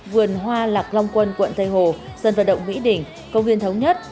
vườn hoa lạc long quân quận tây hồ sân vận động mỹ đỉnh công viên thống nhất